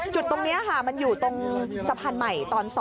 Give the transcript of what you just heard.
จุดตรงนี้ค่ะมันอยู่ตรงสะพานใหม่ตอน๒